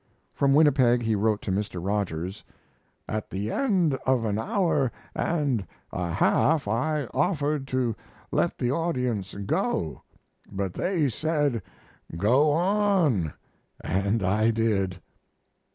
From Winnipeg he wrote to Mr. Rogers: At the end of an hour and a half I offered to let the audience go, but they said "go on," and I did.